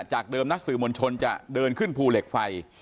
เดิมนักสื่อมวลชนจะเดินขึ้นภูเหล็กไฟ